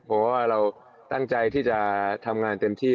เพราะว่าเราตั้งใจที่จะทำงานเต็มที่